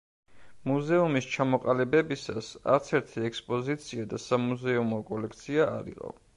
მუზეუმის ჩამოყალიბებისას არც ერთი ექსპოზიცია და სამუზეუმო კოლექცია არ იყო.